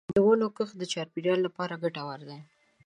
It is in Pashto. د ونو کښت د چاپېریال لپاره ګټور دی.